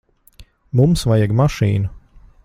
Mums vajag mašīnu.